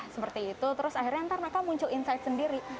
seperti itu terus akhirnya ntar mereka muncul insight sendiri